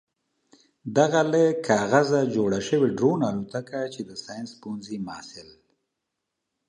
دغه له کاک کاغذه جوړه شوې ډرون الوتکه چې د ساينس پوهنځي محصل